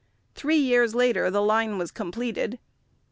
Three years later the line was completed.